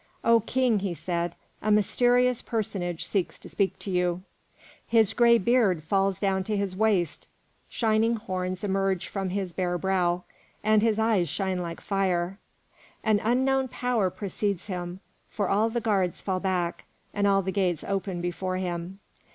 "O King," he said, "a mysterious personage seeks to speak to you. His gray beard falls down to his waist, shining horns emerge from his bare brow, and his eyes shine like fire. An unknown power precedes him, for all the guards fall back and all the gates open before him.